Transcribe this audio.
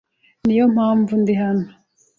Niyo mpamvu ndi hano.